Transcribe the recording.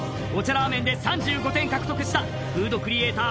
ラーメンで３５点獲得したフードクリエイター